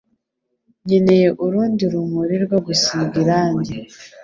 Nkeneye urundi rumuri rwo gusiga irangi.